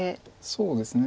そうですね。